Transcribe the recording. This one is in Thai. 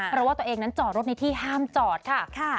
เพราะว่าตัวเองนั้นจอดรถในที่ห้ามจอดค่ะ